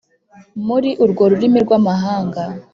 muri urwo rurimi rw’amahanga,